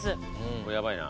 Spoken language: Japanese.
これやばいな。